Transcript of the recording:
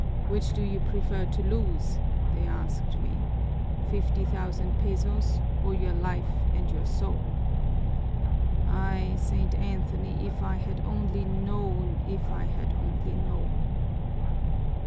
'Which do you prefer to lose,' they asked me, 'fifty thousand pesos or your life and your soul?' Ay, St. Anthony, if I had only known, if I had only known!